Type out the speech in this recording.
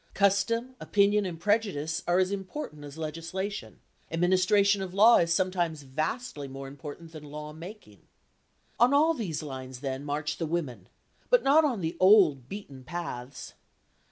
Custom, opinion and prejudice are as important as legislation; administration of law is sometimes vastly more important than law making. On all these lines, then, march the women, but not on the old beaten paths.